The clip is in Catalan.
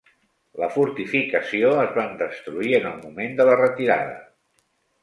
La fortificació es van destruir en el moment de la retirada.